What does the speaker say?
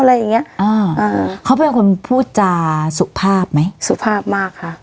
อะไรอย่างเงี้อ่าเขาเป็นคนพูดจาสุภาพไหมสุภาพมากค่ะ